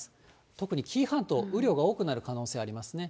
特に紀伊半島、雨量が多くなる可能性ありますね。